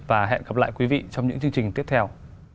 và hẹn gặp lại quý vị trong những chương trình tiếp theo